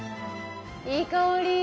いい香り。